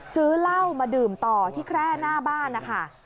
ซื้อเหล้ามาดื่มต่อที่แคร่หน้าบ้านนะคะ